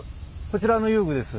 こちらの遊具です。